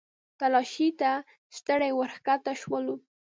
تلاشۍ ته ستړي ورښکته شولو.